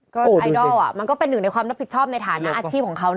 ก็ไอดอลมันก็เป็นหนึ่งในความรับผิดชอบในฐานะอาชีพของเขานะ